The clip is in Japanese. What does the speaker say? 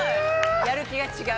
やる気が違う。